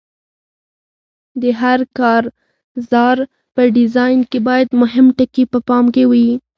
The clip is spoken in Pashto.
د هر کارزار په ډیزاین کې باید مهم ټکي په پام کې وي.